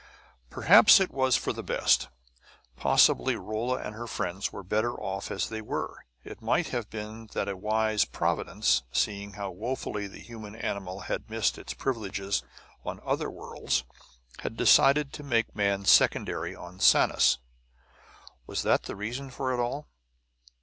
Perhaps it was for the best. Possibly Rolla and her friends were better off as they were. It might have been that a wise Providence, seeing how woefully the human animal had missed its privileges on other worlds, had decided to make man secondary on Sanus. Was that the reason for it all?